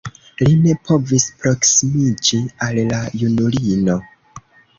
Li ne povis proksimiĝi al la junulino.